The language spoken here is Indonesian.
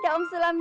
ada om sulam juga